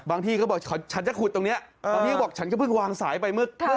ที่เขาบอกฉันจะขุดตรงนี้บางทีก็บอกฉันก็เพิ่งวางสายไปเมื่อ